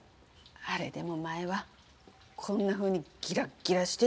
あれでも前はこんなふうにギラッギラしてたんだけどね。